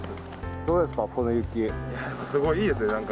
どうですか？